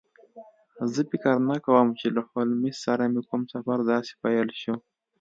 زه فکر نه کوم چې له هولمز سره مې کوم سفر داسې پیل شو